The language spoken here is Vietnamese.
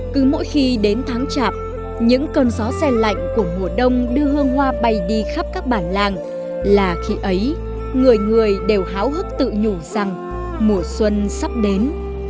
cứ mỗi khi đến tháng chạp những cơn gió xe lạnh của mùa đông đưa hương hoa bay đi khắp các bản làng là khi ấy người người đều háo hức tự nhủ rằng mùa xuân sắp đến